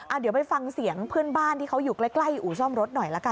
เดี๋ยวไปฟังเสียงเพื่อนบ้านที่เขาอยู่ใกล้ใกล้อู่ซ่อมรถหน่อยละกัน